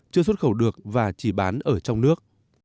chưa xuất khẩu được và chỉ bán ở trong nước